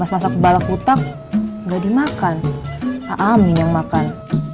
malah amin yang makan